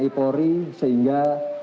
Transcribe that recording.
tni polri sehingga